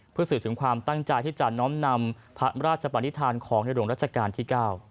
เพื่อสื่อถึงความตั้งใจที่จะน้อมนำพระราชปนิษฐานของในหลวงรัชกาลที่๙